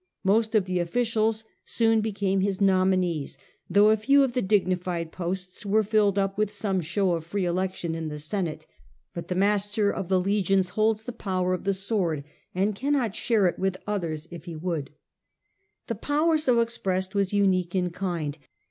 Most of the officials soon and enforces became his nominees, though a few of the dignified posts were filled up with some show of tivc. free election in the Senate ; but the master of the legions 174 The Earlier Empire. Hu power unique in kind. holds the power of the sword, and cannot share it with others if he would. The power so expressed was unique in kind.